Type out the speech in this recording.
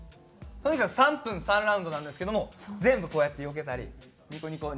とにかく３分３ラウンドなんですけども全部こうやってよけたりニコニコニコニコとかしたり。